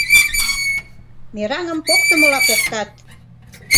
Мераҥым поктымыла поктат.